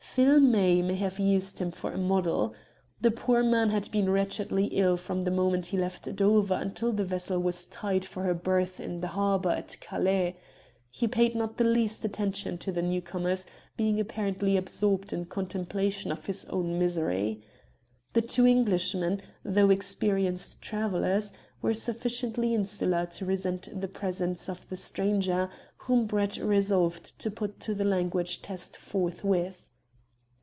Phil May might have used him for a model. The poor man had been wretchedly ill from the moment he left Dover until the vessel was tied to her berth in the harbour at Calais. He paid not the least attention to the newcomers, being apparently absorbed in contemplation of his own misery. The two Englishmen, though experienced travellers, were sufficiently insular to resent the presence of the stranger, whom Brett resolved to put to the language test forthwith.